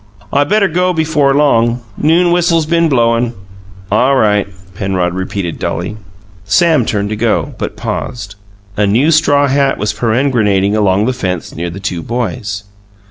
"I better go before long. Noon whistles been blowin'." "All right," Penrod repeated dully. Sam turned to go, but paused. A new straw hat was peregrinating along the fence near the two boys.